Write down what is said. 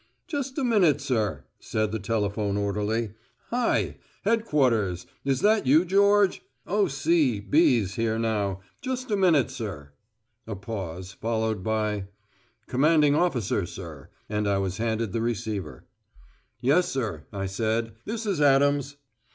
"Just a minute, sir," said the telephone orderly. "Hi! Headquarters. Is that you, George? O.C. 'B's' here now. Just a minute, sir." A pause, followed by: "Commanding Officer, sir," and I was handed the receiver. "Yes, sir," I said. "This is Adams."